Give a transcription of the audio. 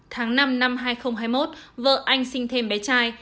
tháng năm năm hai nghìn hai mươi một vợ anh sinh thêm bé trai